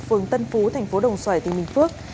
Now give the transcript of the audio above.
phường tân phú thành phố đồng xoài tây minh phước